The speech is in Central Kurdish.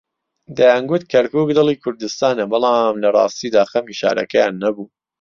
دەیانگوت کەرکووک دڵی کوردستانە، بەڵام لەڕاستیدا خەمی شارەکەیان نەبوو.